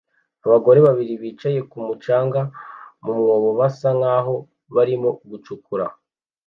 Abagore babiri bicaye ku mucanga mu mwobo basa nkaho barimo gucukura